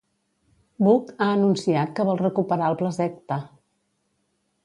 Buch ha anunciat que vol recuperar el Plaseqta.